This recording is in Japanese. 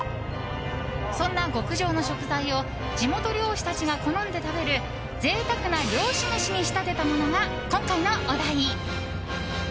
そんな極上の食材を地元漁師たちが好んで食べる贅沢な漁師飯に仕立てたものが今回のお題。